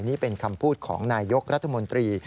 นี่เป็นคำพูดของนายยกรัฐมนตรี